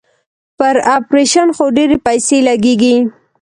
پر اپرېشن خو ډېرې پيسې لگېږي.